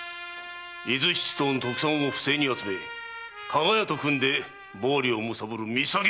伊豆七島の特産を不正に集め加賀屋と組んで暴利を貪る見下げ果てた奴！